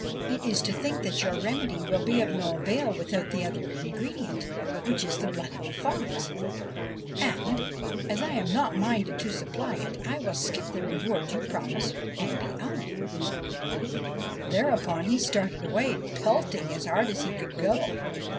' It is to think that your remedy will be of no avail without the other ingredient, which is the blood of a fox, and as I am not minded to supply it, I will skip the reward you promised and be off.' F 41 THE SERPENT PRINCE Thereupon he started away, pelting as hard as he could go.